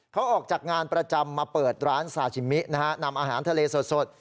เขาออกจากงานประจำมาเปิดร้านซาชิมินะฮะนำอาหารทะเลสด